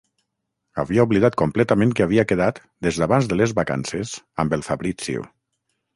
Havia oblidat completament que havia quedat, des d'abans de les vacances, amb el Fabrizio.